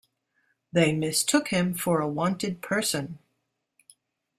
They mistook him for a wanted person.